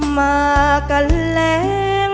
มากันแรง